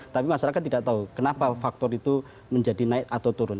tapi masyarakat tidak tahu kenapa faktor itu menjadi naik atau turun